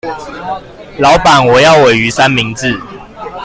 老闆我要鮪魚三明治